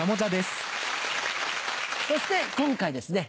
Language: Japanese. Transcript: そして今回ですね